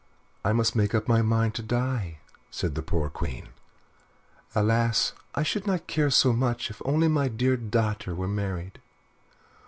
"I must make up my mind to die," said the poor Queen. "Alas! I should not care so much if only my dear daughter were married."